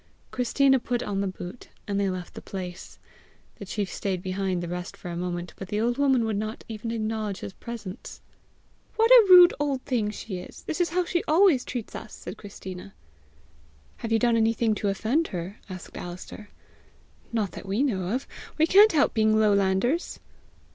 Christina put on the boot, and they left the place. The chief stayed behind the rest for a moment, but the old woman would not even acknowledge his presence. "What a rude old thing she is! This is how she always treats us!" said Christina. "Have you done anything to offend her?" asked Alister. "Not that we know of. We can't help being lowlanders!"